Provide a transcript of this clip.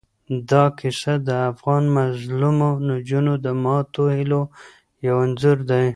دا کیسه د افغان مظلومو نجونو د ماتو هیلو یو انځور دی.